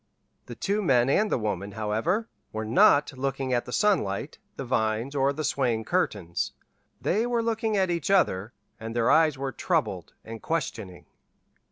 The two men and the woman, however, were not looking at the sunlight, the vines, or the swaying curtains; they were looking at each other, and their eyes were troubled and questioning.